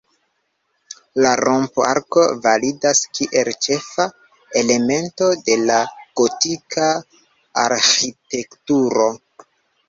La romp-arko validas kiel ĉefa elemento de la gotika arĥitekturo.